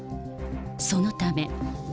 そのため。